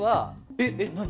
えっ何？